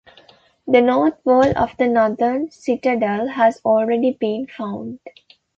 The north wall of the Northern Citadel had already been found.